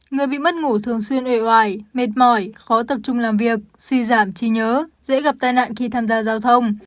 người bị mất ngủ thường xuyên oải mệt mỏi khó tập trung làm việc suy giảm trí nhớ dễ gặp tai nạn khi tham gia giao thông